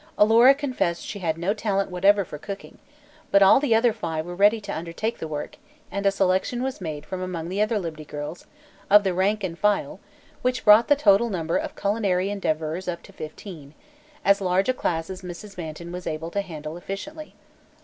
Alora confessed she had no talent whatever for cooking, but all the other five were ready to undertake the work and a selection was made from among the other Liberty Girls of the rank and file which brought the total number of culinary endeavorers up to fifteen as large a class as Mrs. Manton was able to handle efficiently.